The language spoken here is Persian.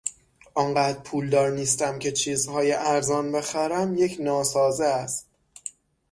آنقدر پولدار نیستم که چیزهای ارزان بخرم یک ناسازه است.